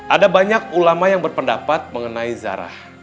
ada banyak ulama yang berpendapat mengenai zarah